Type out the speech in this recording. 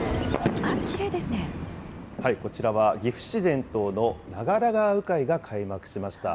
こちらは、岐阜市伝統の長良川鵜飼が開幕しました。